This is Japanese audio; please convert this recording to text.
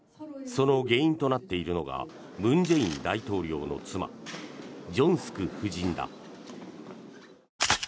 その原因となっているのが文在寅大統領の妻ジョンスク夫人だ。